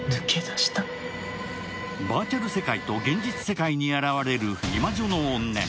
バーチャル世界と現実世界に現れるイマジョの怨念。